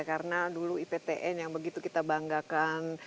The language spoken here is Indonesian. karena dulu iptn yang begitu kita banggakan